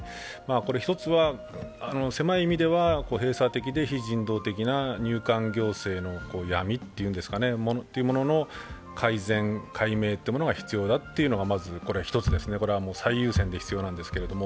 一つは狭い意味では閉鎖的で非人道的な入管行政の闇というものの改善、解明が必要だというのが１つですね、これは最優先で必要なんですけれども。